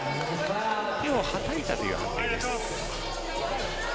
手をはたいたという判定です。